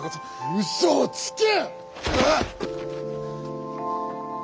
うそをつけ！